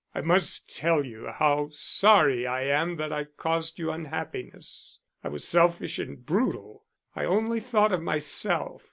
I must tell you how sorry I am that I've caused you unhappiness. I was selfish and brutal; I only thought of myself.